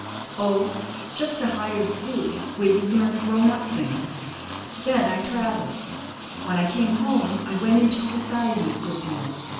"O, just a higher school where you learn grown up things. Then I travelled. When I came home, I went into society a good deal.